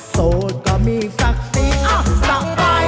โสดก็มีศักดิ์สีอัศบาย